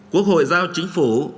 quốc hội giao chính phủ